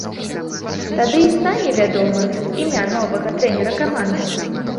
Тады і стане вядома імя новага трэнера каманды.